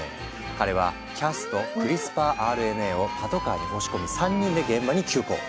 彼はキャスとクリスパーＲＮＡをパトカーに押し込み３人で現場に急行。